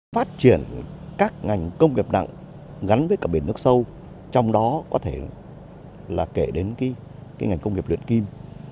phát triển các ngành công nghiệp nặng gắn với cả biển nước sâu trong đó có thể là kể đến ngành công nghiệp luyện kim